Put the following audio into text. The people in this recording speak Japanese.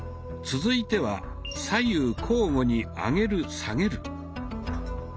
続いては「左右交互に上げる・下げる」。